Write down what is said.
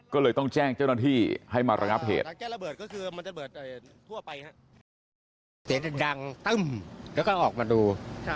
ก็เลยต้องแจ้งเจ้าหน้าที่ให้มาระงับเหตุ